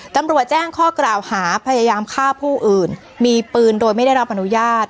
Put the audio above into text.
ตำรวจแจ้งข้อกล่าวหาพยายามฆ่าผู้อื่นมีปืนโดยไม่ได้รับอนุญาต